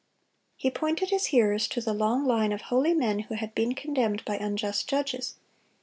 He pointed his hearers to the long line of holy men who had been condemned by unjust judges.